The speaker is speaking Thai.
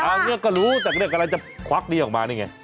เรื่องก็รู้แต่เรื่องกำลังจะควักนี้ออกมานี่ไง